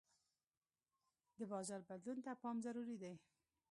د بازار بدلون ته پام ضروري دی.